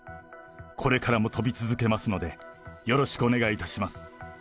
これからも飛び続けますので、よろしくお願いいたします。